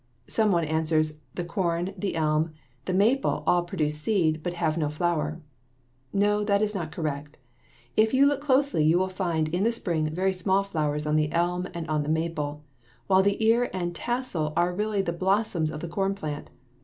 Some one answers, "The corn, the elm, and the maple all produce seed, but have no flower." No, that is not correct. If you look closely you will find in the spring very small flowers on the elm and on the maple, while the ear and the tassel are really the blossoms of the corn plant.